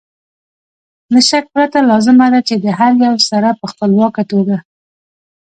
له شک پرته لازمه ده چې د هر یو سره په خپلواکه توګه